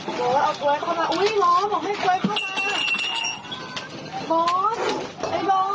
โอ้โหล้อมเอาไอ้กล้วยเข้ามา